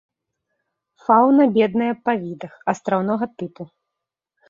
Фауна бедная па відах, астраўнога тыпу.